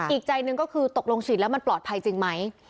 อีกใจหนึ่งก็คือตกลงฉีดแล้วมันปลอดภัยจริงไหม